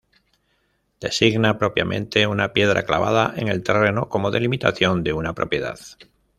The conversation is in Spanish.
Designa propiamente una piedra clavada en el terreno como delimitación de una propiedad.